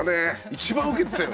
一番ウケてたよ